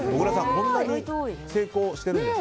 こんなに成功しているんです。